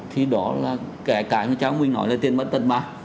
thì đó là kẻ cái mà cháu mình nói là tiền bận tật mà